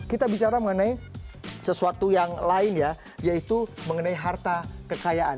kita bicara mengenai sesuatu yang lain ya yaitu mengenai harta kekayaan